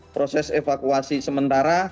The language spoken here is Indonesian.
proses evakuasi sementara